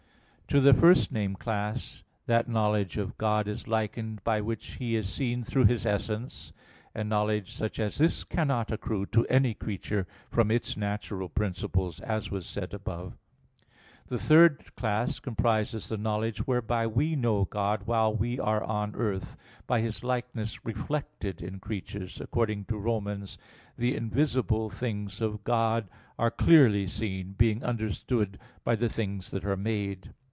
To the first named class that knowledge of God is likened by which He is seen through His essence; and knowledge such as this cannot accrue to any creature from its natural principles, as was said above (Q. 12, A. 4). The third class comprises the knowledge whereby we know God while we are on earth, by His likeness reflected in creatures, according to Rom. 1:20: "The invisible things of God are clearly seen, being understood by the things that are made."